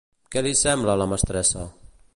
Què li sembla a la mestressa?